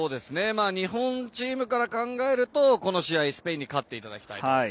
まあ、日本チームから考えるとこの試合、スペインに勝っていただきたい。